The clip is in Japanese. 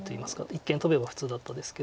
一間トベば普通だったですけど。